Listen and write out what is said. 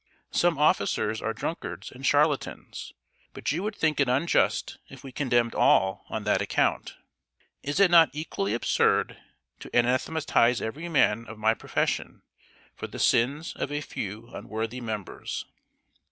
Some officers are drunkards and charlatans; but you would think it unjust if we condemned all on that account. Is it not equally absurd to anathematize every man of my profession for the sins of a few unworthy members?"